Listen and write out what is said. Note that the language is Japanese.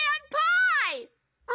・あ！